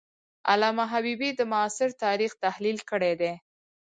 علامه حبیبي د معاصر تاریخ تحلیل کړی دی.